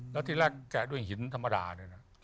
แล้วที่แรกแกะด้วยหินธรรมดาเนี่ยนะ